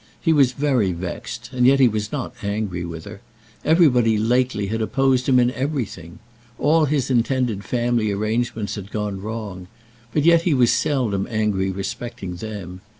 He was very vexed, and yet he was not angry with her. Everybody lately had opposed him in everything. All his intended family arrangements had gone wrong. But yet he was seldom angry respecting them.